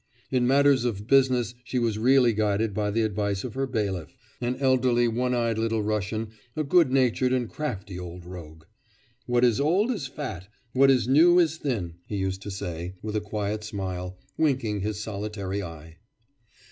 In matters of business she was really guided by the advice of her bailiff an elderly, one eyed Little Russian, a good natured and crafty old rogue. 'What is old is fat, what is new is thin,' he used to say, with a quiet smile, winking his solitary eye.